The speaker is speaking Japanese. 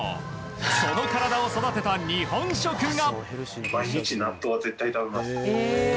その体を育てた日本食が。